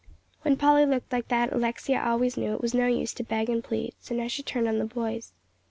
When Polly looked like that, Alexia always knew it was no use to beg and plead, so now she turned on the boys.